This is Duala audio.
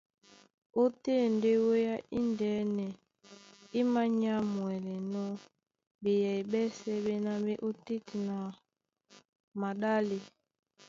Ótên ndé wéá indɛ́nɛ í mānyámwɛlɛnɔ́ ɓeyɛy ɓɛ́sɛ̄ ɓéná ɓé e ot́téten a maɗále.